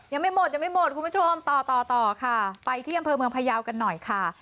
ยังไม่หมดยังไม่หมดคุณผู้ชมต่อต่อต่อค่ะไปที่อำเภอเมืองพยาวกันหน่อยค่ะ